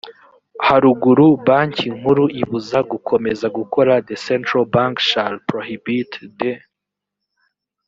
haruguru banki nkuru ibuza gukomeza gukora the central bank shall prohibit the